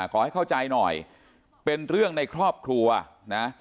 ขอให้เข้าใจหน่อยเป็นเรื่องในครอบครัวนะ